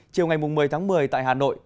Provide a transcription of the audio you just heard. chiều ngày một mươi một mươi tại hà nội